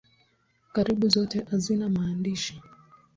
Karibu zote hazina maandishi.